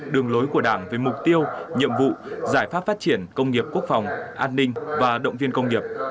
đường lối của đảng về mục tiêu nhiệm vụ giải pháp phát triển công nghiệp quốc phòng an ninh và động viên công nghiệp